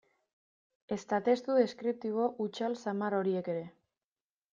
Ezta testu deskriptibo hutsal samar horiek ere.